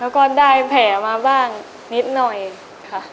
แล้วก็ได้แผลมาบ้างนิดหน่อยค่ะ